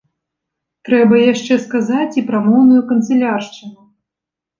Трэба яшчэ сказаць і пра моўную канцыляршчыну.